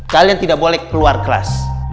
kalian tidak boleh keluar kelas